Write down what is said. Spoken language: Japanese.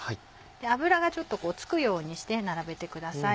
油がちょっと付くようにして並べてください。